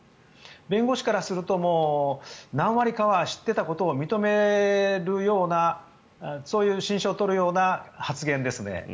弁護士からすると何割かは知っていたことを認めるような、そういう心証を取るような発言ですね。